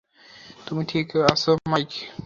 তুমি ঠিক আছ মাইক?